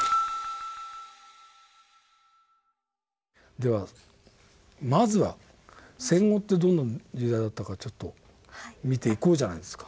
ではまずは戦後ってどんな時代だったか見ていこうじゃないですか。